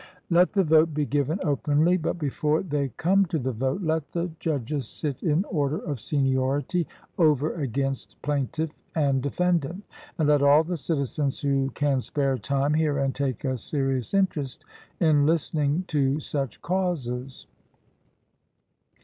Let the vote be given openly; but before they come to the vote let the judges sit in order of seniority over against plaintiff and defendant, and let all the citizens who can spare time hear and take a serious interest in listening to such causes.